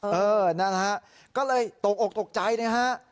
เออนะฮะก็เลยตกอกตกใจนะฮะ